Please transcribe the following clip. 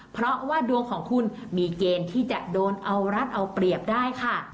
เพราะว่าดวงของคุณมีเกณฑ์ที่จะโดนเอารัดเอาเปรียบได้ค่ะ